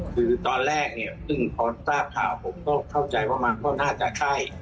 คือตอนแรกตั้งแต่ยาวผมเข้าใจว่ามันก็น่าจะใช่